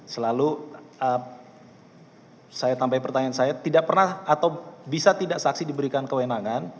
selalu saya tambah pertanyaan saya tidak pernah atau bisa tidak saksi diberikan kewenangan